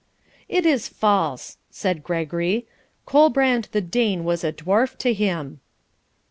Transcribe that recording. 'It is false!' said Gregory. 'Colbrand the Dane was a dwarf to him.'